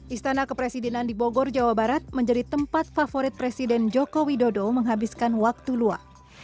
istana kepresidenan di bogor jawa barat menjadi tempat favorit presiden joko widodo menghabiskan waktu luang